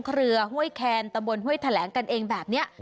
เครือห้วยแคนตะบนห้วยแถลงกันเองแบบนี้